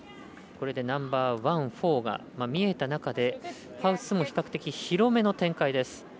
これでナンバーワン、フォーが見えた中でハウスも比較的広めの展開です。